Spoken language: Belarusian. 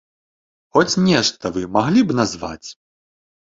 Хоць нешта вы маглі б назваць?